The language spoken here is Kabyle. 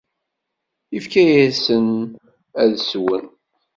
Ifka-asen ad swen.